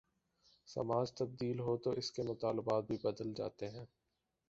سماج تبدیل ہو تو اس کے مطالبات بھی بدل جاتے ہیں۔